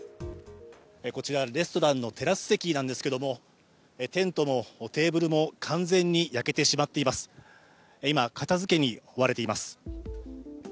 こちら、レストランのテラス席なんですけれども、テントもテーブルも完全に焼けてしまっています、今、片づけに追われています。